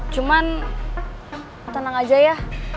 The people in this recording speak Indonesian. cuman tenang aja ya